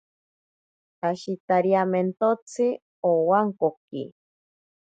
Ashitariamentotsi owankoki.